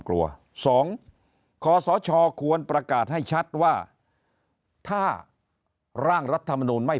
กลัวสองขอสชควรประกาศให้ชัดว่าถ้าร่างรัฐธมนูนไม่